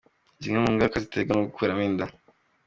Zimwe mu ngaruka ziterwa no gukuramo inda ni:.